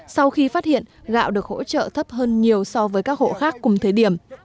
sau khi phát hiện gạo được hỗ trợ thấp hơn nhiều so với các hộ khác cùng thời điểm